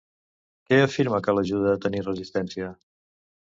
Què afirma que l'ajuda a tenir resistència?